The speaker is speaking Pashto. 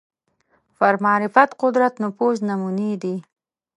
پر معرفت قدرت نفوذ نمونې دي